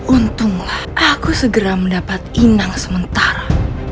untunglah aku segera mendapat inang sementara